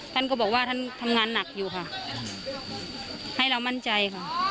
ท่านก็บอกว่าท่านทำงานหนักอยู่ค่ะให้เรามั่นใจค่ะ